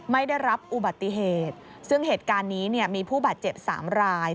ไม่ได้รับอุบัติเหตุซึ่งเหตุการณ์นี้เนี่ยมีผู้บาดเจ็บสามราย